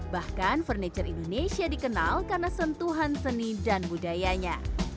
bahkan furniture indonesia dikenal karena sentuhan seni dan budayanya